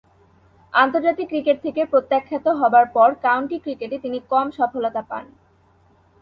আন্তর্জাতিক ক্রিকেট থেকে প্রত্যাখ্যাত হবার পর কাউন্টি ক্রিকেটে তিনি কম সফলতা পান।